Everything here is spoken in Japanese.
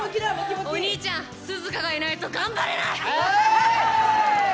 お兄ちゃん、涼香がいないと頑張れない。